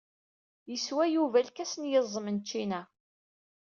Yeswa Yuba lkas n yiẓem n čina.